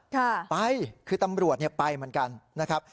ค่ะไปคือตำรวจเนี่ยไปเหมือนกันนะครับ